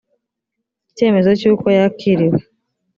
icyemezo cy uko yakiriwe